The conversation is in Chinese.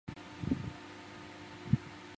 泰特斯维尔为布拉瓦县的行政中心。